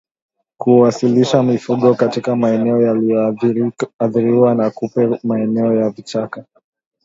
Kuwalisha mifugo katika maeneo yaliyoathiriwa na kupe maeneo ya vichaka